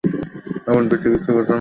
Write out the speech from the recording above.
এখন পৃথিবীকে বোঝানোর সময় এসে গেছে।